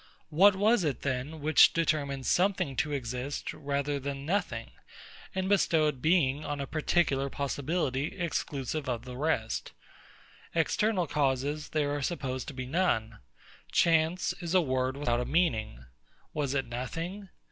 What was it, then, which determined Something to exist rather than Nothing, and bestowed being on a particular possibility, exclusive of the rest? External causes, there are supposed to be none. Chance is a word without a meaning. Was it Nothing?